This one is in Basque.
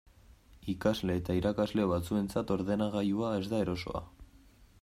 Ikasle eta irakasle batzuentzat ordenagailua ez da erosoa.